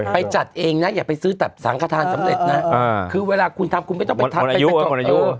ไปจัดเองนะอย่าไปซื้อแบบสังขทานสำเร็จนะคือเวลาคุณทำคุณไม่ต้องไปทำประโยชน์